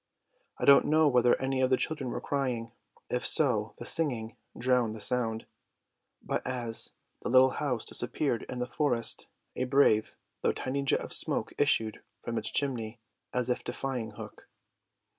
I don't know whether any of the children were crying; if so, the singing drowned the sound; but as the little house disappeared in the forest, a brave though tiny jet of smoke issued from its chimney as if defying Hook.